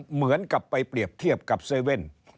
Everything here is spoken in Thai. เหมือนกับไปเปรียบเทียบกับเซเว่น